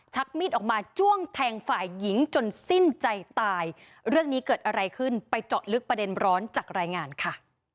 มีดออกมาจ้วงแทงฝ่ายหญิงจนสิ้นใจตายเรื่องนี้เกิดอะไรขึ้นไปเจาะลึกประเด็นร้อนจากรายงานค่ะ